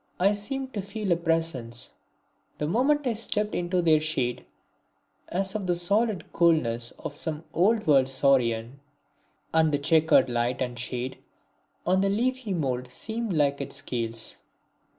I seemed to feel a presence, the moment I stepped into their shade, as of the solid coolness of some old world saurian, and the checkered light and shade on the leafy mould seemed like its scales.